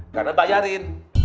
abah juga pameran